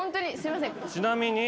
ちなみに。